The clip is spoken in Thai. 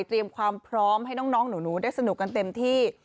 ความพร้อมให้น้องหนูได้สนุกกันเต็มที่